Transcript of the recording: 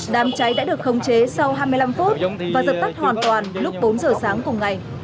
đám cháy đã được khống chế sau hai mươi năm phút và dập tắt hoàn toàn lúc bốn giờ sáng cùng ngày